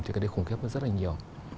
thì cái đấy khủng khiếp rất là nhiều